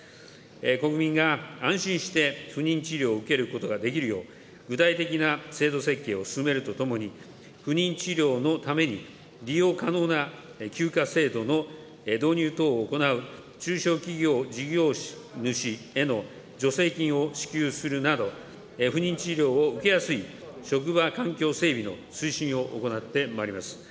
国民が安心して不妊治療を受けることができるよう、具体的な制度設計を進めるとともに、不妊治療のために利用可能な休暇制度の導入等を行う中小企業事業主への助成金を支給するなど、不妊治療を受けやすい職場環境整備の推進を行ってまいります。